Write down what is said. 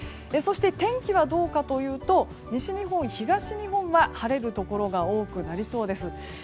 そして天気はどうかというと西日本、東日本は晴れるところが多くなりそうです。